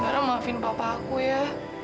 karena maafin bapak aku ya